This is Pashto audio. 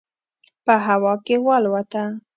په هوا کې والوته.